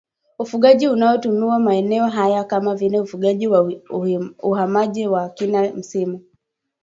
ufugaji unaotumiwa maeneo haya kama vile ufugaji wa uhamaji wa kila msimu